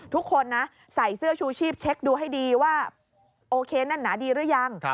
ทุกคนนะใส่เสื้อชูชีพเช็คดูให้ดีว่าโอเคนั่นหนาดีหรือยัง